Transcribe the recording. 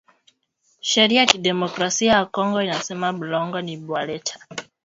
Sheria ya ki democracia ya kongo inasema bulongo ni bwa leta